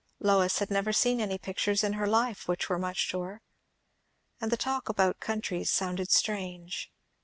Lois had never seen any pictures in her life which were much to her. And the talk about countries sounded strange.